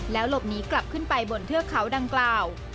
หลบหนีกลับขึ้นไปบนเทือกเขาดังกล่าว